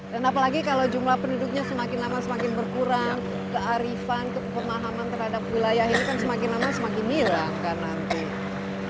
dan apalagi kalau jumlah penduduknya semakin lama semakin berkurang kearifan kekemahaman terhadap wilayah ini kan semakin lama semakin mirang kan nanti